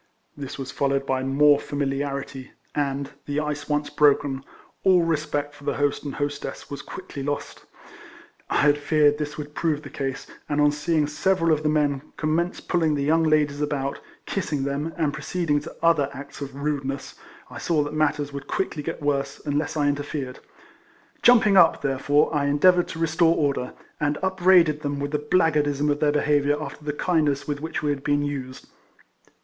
This was followed by more familiarity, and, the ice once broken, all respect for the host and hostess was quickly lost. I had feared 22 RECOLLECTIONS OF this would prove the case, and on seeing several of the men comraence pulling the young ladies about, kissing them, and pro ceeding to other acts of rudeness, I saw that matters would quickly get worse, unless I interfered. Jumping up, therefore, I endeavoured to restore order, and upbraided them with the blackguardism of their be haviour after the kindness with which we had been used.